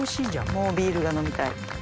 もうビールが飲みたい。